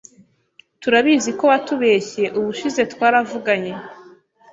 Turabizi ko watubeshye ubushize twaravuganye.